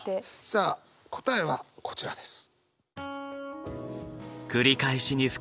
さあ答えはこちらです。